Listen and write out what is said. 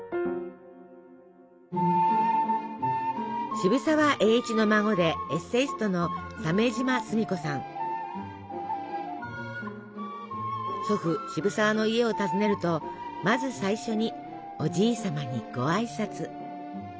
渋沢栄一の孫でエッセイストの祖父渋沢の家を訪ねるとまず最初におじい様にご挨拶。